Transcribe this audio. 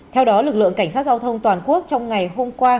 theo đó lực lượng cảnh sát giao thông toàn quốc trong ngày hôm qua